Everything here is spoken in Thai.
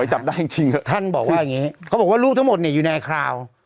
จับได้จริงท่านบอกว่าอย่างนี้เขาบอกว่าลูกทั้งหมดเนี่ยอยู่ในคราว